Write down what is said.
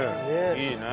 いいね。